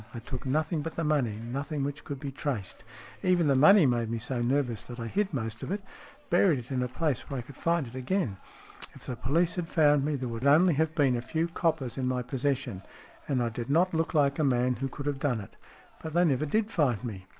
I took nothing but the money, nothing which could be traced. Even the money made me so nervous that I hid most of it buried it in a place where I could find it again. If the police had found me, there would only have been a few coppers in my possession, and I did not look like a man who could have done it. But they never did find me."